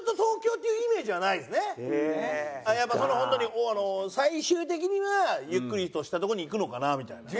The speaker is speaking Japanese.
やっぱ本当に最終的にはゆっくりとした所に行くのかなみたいな。